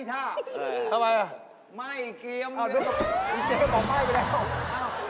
ทำไมล่ะไหม้เกรียมอ้าวเจ๊ก็บอกไหม้ไปแล้ว